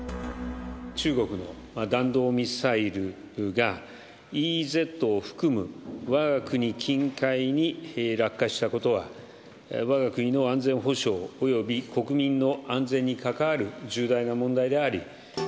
中国の弾道ミサイルが、ＥＥＺを含むわが国近海に落下したことは、わが国の安全保障および国民の安全に関わる重大な問題であり。